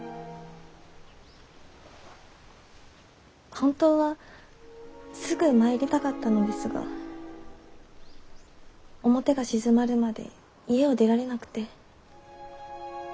本当はすぐ参りたかったのですが表が静まるまで家を出られなくて。